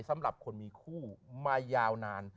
สำหรับคนมีคู่มายาวนาน